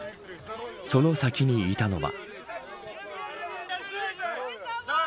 その先にいたのは。